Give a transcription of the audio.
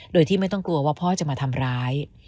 โดยที่ไม่ต้องกลัวว่าพ่อจะมาทำร้าย